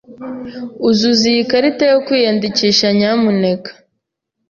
Uzuza iyi karita yo kwiyandikisha, nyamuneka.